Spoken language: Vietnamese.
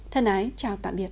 thân ái chào tạm biệt